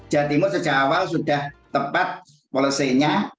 jawa timur sejak awal sudah tepat polosinya